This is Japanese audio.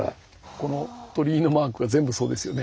この鳥居のマークが全部そうですよね。